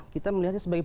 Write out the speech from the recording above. kita melihatnya sebagai